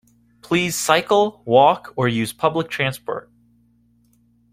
Please cycle, walk, or use public transport